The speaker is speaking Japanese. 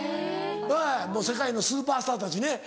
うん世界のスーパースターたちね。